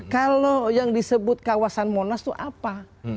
kalau yang disebut kawasan monas itu apa